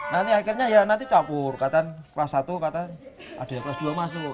nah ini akhirnya ya nanti campur katanya kelas satu kelas dua masuk